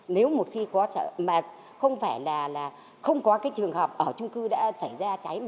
nếu một khi có sợ mà không phải là không có cái trường hợp ở trung cư đã xảy ra cháy